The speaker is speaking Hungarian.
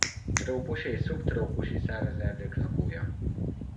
Trópusi és szubtrópusi száraz erdők lakója.